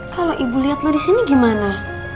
kalau ibu liat lo disini gimana